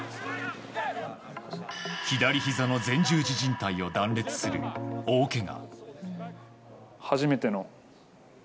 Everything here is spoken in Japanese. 左ひざの前十字じん帯を断裂する大けが。